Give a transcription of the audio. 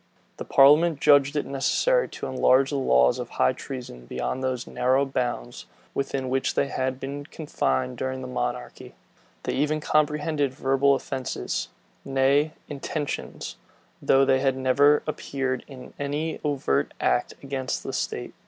The parliament judged it necessary to enlarge the laws of high treason beyond those narrow bounds within which they had been confined during the monarchy. They even comprehended verbal offences, nay, intentions, though they had never appeared in any overt act against the state.